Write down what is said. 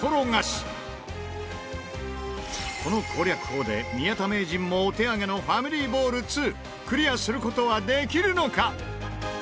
この攻略法で宮田名人もお手上げの『ファミリーボールⅡ』クリアする事はできるのか？